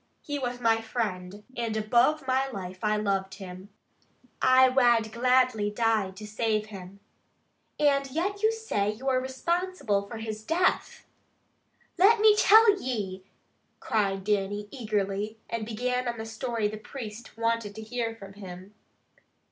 He was my friend, and above my life I loved him. I wad gladly have died to save him." "And yet you say you are responsible for his death!" "Let me tell ye!" cried Dannie eagerly, and began on the story the priest wanted to hear from him.